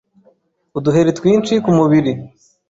uduheri twinshi ku mubiri